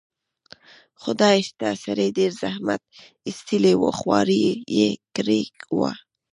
خدای شته، سړي ډېر زحمت ایستلی و، خواري یې کړې وه.